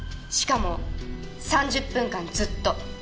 しかも３０分間ずっと。